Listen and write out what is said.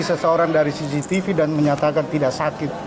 seseorang dari cctv dan menyatakan tidak sakit